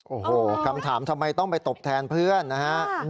โอ้โหคำถามทำไมต้องไปตบแทนเพื่อนนะฮะ